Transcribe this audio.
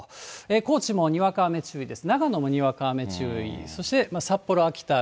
高知もにわか雨注意です。